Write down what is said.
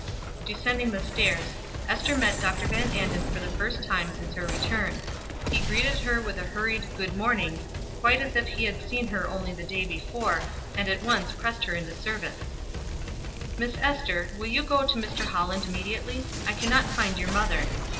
Descending the stairs, Ester met Dr. Van Anden for the first time since her return. He greeted her with a hurried "good morning," quite as if he had seen her only the day before, and at once pressed her into service: "Miss Ester, will you go to Mr. Holland immediately? I can not find your mother.